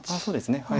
そうですね。